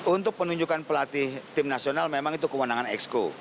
untuk penunjukan pelatih tim nasional memang itu kewenangan exco